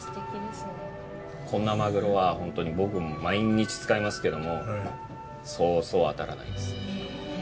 こんなマグロはホントに僕も毎日使いますけどもそうそう当たらないです。